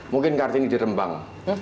mungkin kartini dirembang